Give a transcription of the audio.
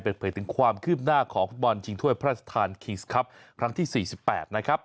เปิดเผยถึงความคืบหน้าของฟุตบอลชิงถ้วยพระราชทานคิงส์ครับครั้งที่๔๘นะครับ